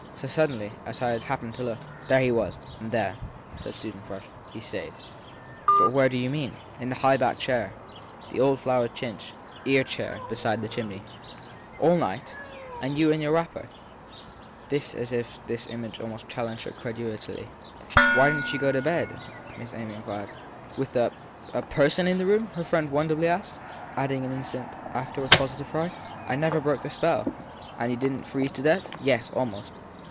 So, suddenly as I happened to look there he was. And there/ said Susan Frush, he stayed/ But where do you mean ? In the high backed chair, the old flowered chintz "ear chair" beside the chimney/ < All night ? and you in your wrapper ? Then as if this image almost challenged her credulity, Why didn t you go to bed ? Miss Amy inquired. With a a person in the room ? her friend wonderfully asked ; adding after an instant as with positive pride : I never broke the spell ! i And didn t freeze to death ? Yes, almost.